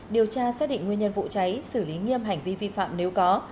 điều tra xác định nguyên nhân vụ cháy xử lý nghiêm hành vi vi phạm nếu có